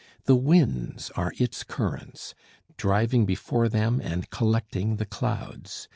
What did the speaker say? The winds are its currents, driving before them and collecting the clouds.